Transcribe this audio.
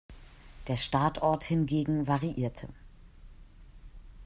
Der Startort hingegen variierte.